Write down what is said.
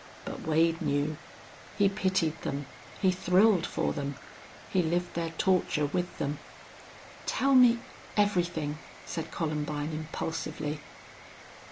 But Wade knew. He pitied them, he thrilled for them, he lived their torture with them. "Tell me everything," said Columbine, impulsively.